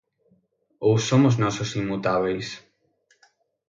Ou somos nós os inmutábeis?